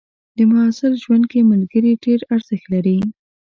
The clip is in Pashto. د محصل ژوند کې ملګري ډېر ارزښت لري.